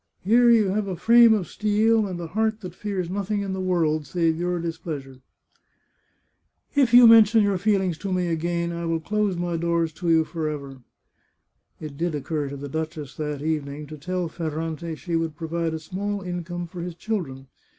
Here you have a frame of steel and a heart that fears nothing in the world save your displeasure !"" If you mention your feelings to me again, I will close my doors to you forever." It did occur to the duchess, that evening, to tell Fer 391 The Chartreuse of Parma rante she would provide a small income for his children.